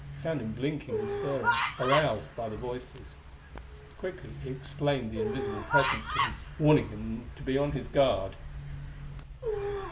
He found him blinking and stirring, aroused by the voices. Quickly he explained the invisible presence to him, warning him to be on guard.